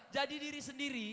jadi diri sendiri